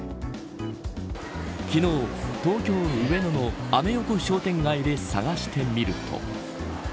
昨日、東京・上野のアメ横商店街で探してみると。